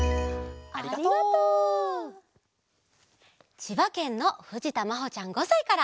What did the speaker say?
ちばけんのふじたまほちゃん５さいから。